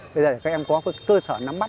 bây giờ các em có cơ sở nắm bắt